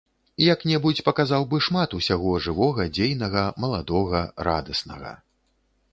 Як-небудзь паказаў бы шмат усяго жывога, дзейнага, маладога, радаснага.